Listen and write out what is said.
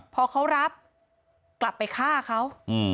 พอเขารับกลับไปฆ่าเขา